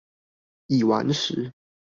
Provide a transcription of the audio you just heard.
已完食